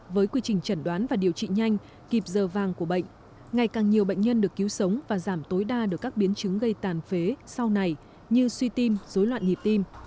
với quy trình chẩn đoán và điều trị nhanh kịp giờ vàng của bệnh ngày càng nhiều bệnh nhân được cứu sống và giảm tối đa được các biến chứng gây tàn phế sau này như suy tim dối loạn nhịp tim